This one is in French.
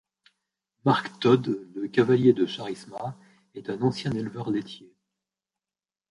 Mark Todd, le cavalier de Charisma, est un ancien éleveur laitier.